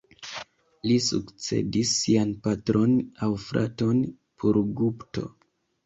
Li sukcedis sian patron aŭ fraton Purugupto.